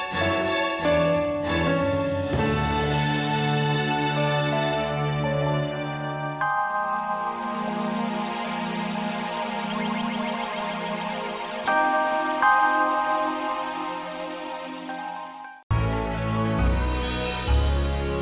pertama kali gue ngerebutin lo